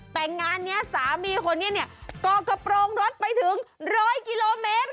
แต่งานนี้สามีคนนี้เนี่ยก่อกระโปรงรถไปถึง๑๐๐กิโลเมตร